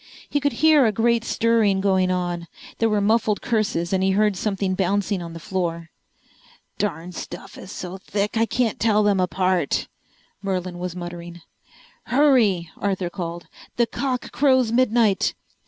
He could hear a great stirring going on. There were muffled curses and he heard something bouncing on the floor. "Darn stuff is so thick I can't tell them apart," Merlin was muttering. "Hurry!" Arthur called. "The cock crows midnight!"